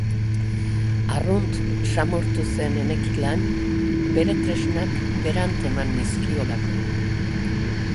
Arrunt samurtu zen enekilan, bere tresnak berant eman nizkiolako.